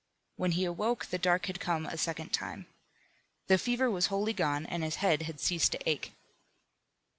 When he awoke the dark had come a second time. The fever was wholly gone, and his head had ceased to ache.